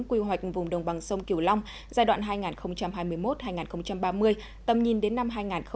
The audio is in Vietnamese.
quy hoạch vùng đồng bằng sông kiều long giai đoạn hai nghìn hai mươi một hai nghìn ba mươi tầm nhìn đến năm hai nghìn năm mươi